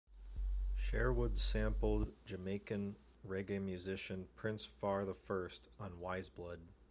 Sherwood sampled Jamaican reggae musician Prince Far the First on "Wise Blood".